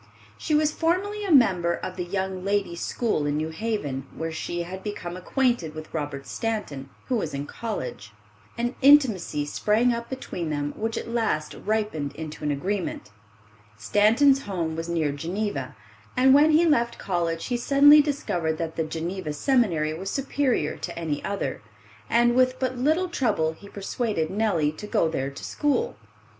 She was formerly a member of the young ladies' school in New Haven, where she had become acquainted with Robert Stanton, who was in college. An intimacy sprang up between them which at last ripened into an agreement. Stanton's home was near Geneva, and when he left college he suddenly discovered that the Geneva Seminary was superior to any other, and with but little trouble he persuaded Nellie to go there to school.